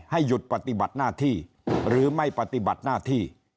หยุดปฏิบัติหน้าที่หรือไม่ปฏิบัติหน้าที่